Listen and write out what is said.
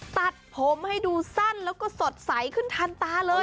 ตัดผมให้ดูสั้นแล้วก็สดใสขึ้นทันตาเลย